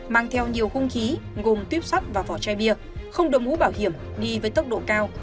mang theo nhiều khung khí gồm tuyếp sắt và vỏ chai bia không đổi mũ bảo hiểm đi với tốc độ cao